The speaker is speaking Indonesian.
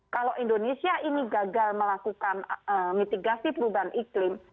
kalau indonesia ini gagal melakukan mitigasi perubahan iklim